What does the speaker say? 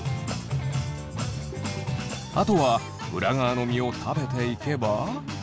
あとは裏側の身を食べていけば。